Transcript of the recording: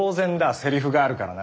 セリフがあるからな。